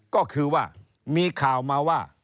ก็คือว่ามีข่าวมาว่า